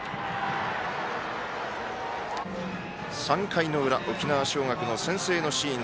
３回の裏沖縄尚学の先制のシーン。